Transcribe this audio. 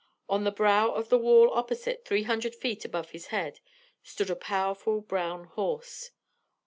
On the brow of the wall opposite, three hundred feet above his head, stood a powerful brown horse.